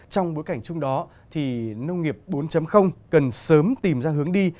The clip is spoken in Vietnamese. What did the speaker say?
trong bối cảnh chung đó thì nông nghiệp bốn cần sớm tìm ra hướng đi